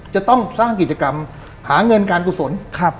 จะต้องสร้างกิจกรรมหาเงินการกุศล